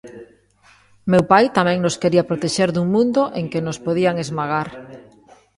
Meu pai tamén nos quería protexer dun mundo en que nos podían esmagar.